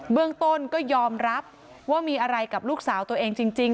เรื่องต้นก็ยอมรับว่ามีอะไรกับลูกสาวตัวเองจริง